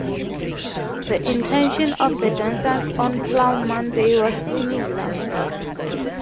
The intention of the dancers on Plough Monday was similar.